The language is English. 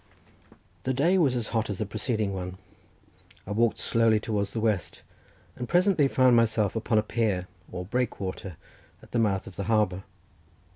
The day was as hot as the preceding one. I walked slowly towards the west, and presently found myself upon a pier, or breakwater, at the mouth of the harbour.